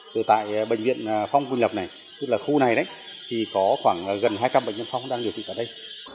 từ tại bệnh viện phong quỳnh lập này tức là khu này đấy thì có khoảng gần hai trăm linh bệnh nhân phong đang điều trị tại đây